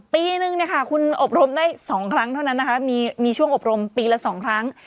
ปีหนึ่งนะคะคุณอบรมได้สองครั้งเท่านั้นนะคะมีมีช่วงอบรมปีละสองครั้ง